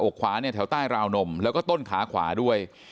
ขวาเนี่ยแถวใต้ราวนมแล้วก็ต้นขาขวาด้วย